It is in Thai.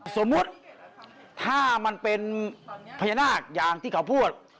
สมมุติถ้ามันเป็นพญานาคอย่างที่เขาพูด